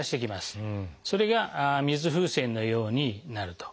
それが水風船のようになると。